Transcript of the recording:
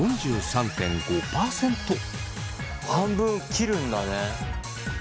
半分切るんだね。